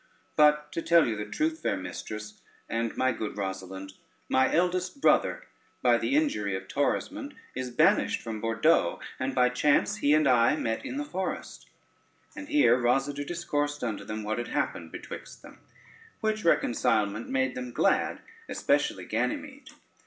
But to tell you the truth, fair mistress and my good Rosalynde, my eldest brother by the injury of Torismond is banished from Bordeaux, and by chance he and I met in the forest." [Footnote 1: quantity.] And here Rosader discoursed unto them what had happened betwixt them, which reconcilement made them glad, especially Ganymede.